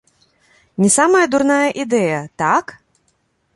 Не самая дурная ідэя, так?